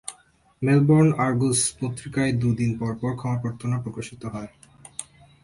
Melbourne Argus পত্রিকায় দু'দিন পর পর ক্ষমা প্রার্থনা প্রকাশিত হয়।